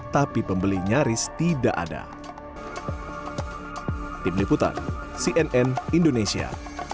tapi pembeli nyaris tidak ada